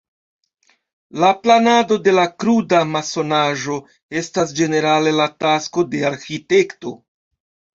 La planado de la kruda masonaĵo estas ĝenerale la tasko de arĥitekto.